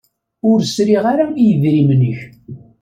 Ur sriɣ ara i idrimen-ik.